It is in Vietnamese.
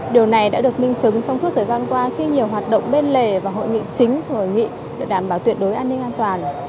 điều này đã được minh chứng trong suốt thời gian qua khi nhiều hoạt động bên lề và hội nghị chính hội nghị để đảm bảo tuyệt đối an ninh an toàn